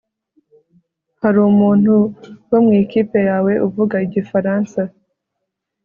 Hari umuntu wo mu ikipe yawe uvuga igifaransa